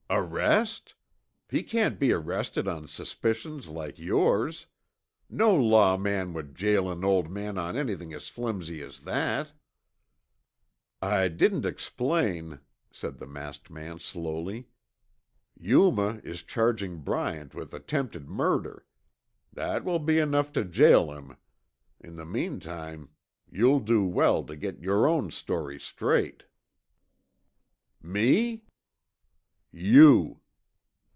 "Arrest? He can't be arrested on suspicions like yours! No law man would jail an old man on anything as flimsy as that!" "I didn't explain," said the masked man slowly. "Yuma is charging Bryant with attempted murder! That will be enough to jail him! In the meantime, you'll do well to get your own story straight!" "Me?" "You!"